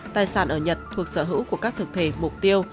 tài sản ở nhật thuộc sở hữu của các thực thể mục tiêu